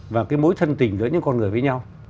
và cái mối thân tình giữa những con người với nhau